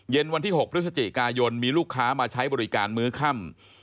วันที่๖พฤศจิกายนมีลูกค้ามาใช้บริการมื้อค่ำ